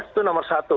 itu nomor satu